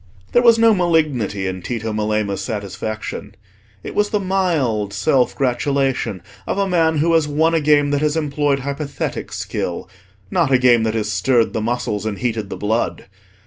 There was no malignity in Tito Melema's satisfaction: it was the mild self gratulation of a man who has won a game that has employed hypothetic skill, not a game that has stirred the muscles and heated the blood.